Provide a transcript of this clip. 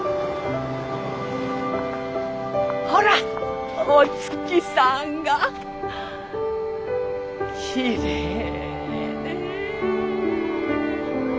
ほらっお月さんがきれいねえ。